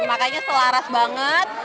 makanya selaras banget